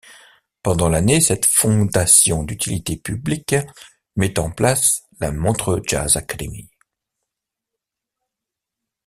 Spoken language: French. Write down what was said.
Pendant l'année, cette fondation d'utilité publique met en place la Montreux Jazz Academy.